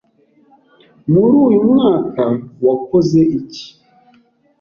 muri uyu mwaka wakoze icyi